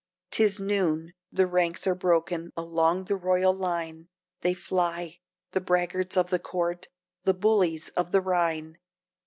'" 'Tis noon. The ranks are broken, along the royal line They fly, the braggarts of the court! the bullies of the Rhine!